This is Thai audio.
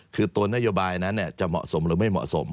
คือตัวนโยบายนั้นจะเหมาะสมหรือไม่เหมาะสม